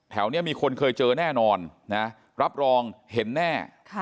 แถวนี้มีคนเคยเจอแน่นอนนะรับรองเห็นแน่